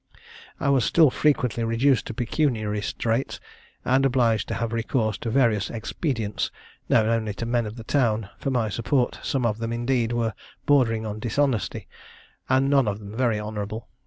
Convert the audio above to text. "I was still frequently reduced to pecuniary straits, and obliged to have recourse to various expedients, known only to men of the town, for my support: some of them, indeed, were bordering on dishonesty, and none of them very honourable.